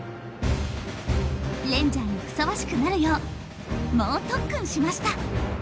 レンジャーにふさわしくなるよう猛特訓しました。